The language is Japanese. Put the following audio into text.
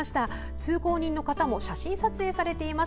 通行人の方も写真撮影されています。